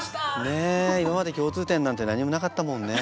ねえ今まで共通点なんて何もなかったもんね。